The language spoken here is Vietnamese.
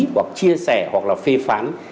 hoặc chia sẻ hoặc là phê phán